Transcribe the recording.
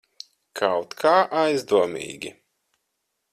Kaut kā aizdomīgi.